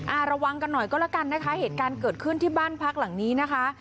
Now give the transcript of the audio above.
ระวังกันหน่อยก็แล้วกันนะคะเหตุการณ์เกิดขึ้นที่บ้านพักหลังนี้นะคะ